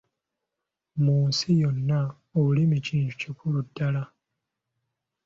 Mu nsi yonna Olulimi kintu kikulu ddala.